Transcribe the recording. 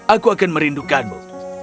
aku akan merindukanmu